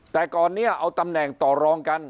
แต่ก่อนนี้เอาตำแหน่งต่อรองกัน